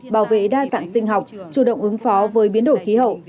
bảo vệ đa dạng sinh học chủ động ứng phó với biến đổi khí hậu